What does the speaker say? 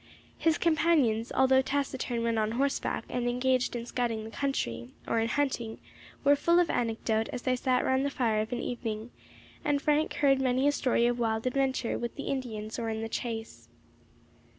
His companions, although taciturn when on horseback and engaged in scouting the country, or in hunting, were full of anecdote as they sat round the fire of an evening, and Frank heard many a story of wild adventure with the Indians or in the chase.